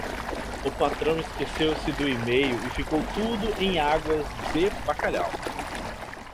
O patrão esqueceu-se do email e ficou tudo em águas de bacalhau.